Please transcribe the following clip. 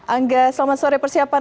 angga selamat sore persiapan